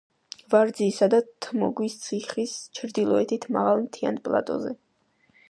ვარძიისა და თმოგვის ციხის ჩრდილოეთით, მაღალ მთიან პლატოზე.